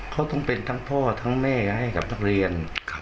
เขาต้องเป็นทั้งพ่อทั้งแม่ให้กับนักเรียน